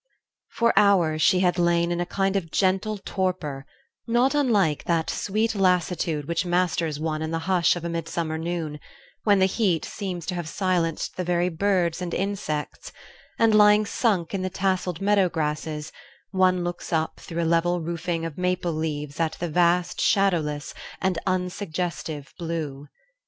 For hours she had lain in a kind of gentle torpor, not unlike that sweet lassitude which masters one in the hush of a midsummer noon, when the heat seems to have silenced the very birds and insects, and, lying sunk in the tasselled meadow grasses, one looks up through a level roofing of maple leaves at the vast shadowless, and unsuggestive blue.